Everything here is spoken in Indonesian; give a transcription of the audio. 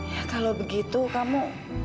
ya kalau begitu kamu